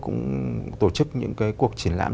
cũng tổ chức những cái cuộc triển lãm